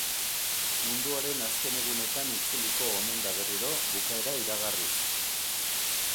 Munduaren azken egunetan itzuliko omen da berriro, bukaera iragarriz.